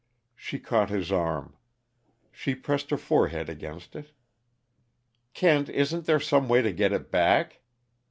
She caught his arm. She pressed her forehead against it. "Kent, isn't there some way to get it back?